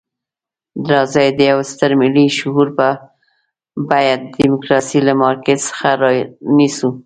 راځئ د یوه ستر ملي شعور په بیه ډیموکراسي له مارکېټ څخه رانیسو.